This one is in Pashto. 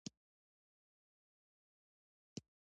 د نویو سوداګانو لپاره دلالۍ ته چمتو دي.